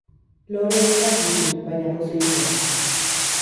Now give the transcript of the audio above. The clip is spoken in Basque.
Lore ederrak ditu, baina pozoitsuak.